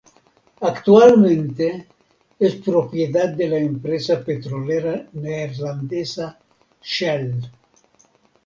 Actualmente es propiedad de la empresa petrolera neerlandesa Shell.